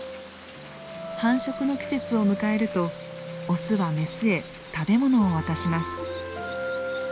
繁殖の季節を迎えるとオスはメスへ食べ物を渡します。